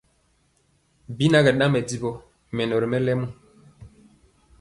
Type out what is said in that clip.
Bi na kɛ ɗaŋ mɛdivɔ mɛnɔ ri mɛlɛmɔ.